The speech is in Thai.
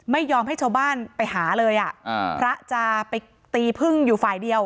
ไม่ยอมให้ชาวบ้านไปหาเลยอ่ะอ่าพระจะไปตีพึ่งอยู่ฝ่ายเดียว